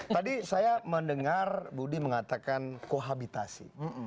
tadi saya mendengar budi mengatakan kohabitasi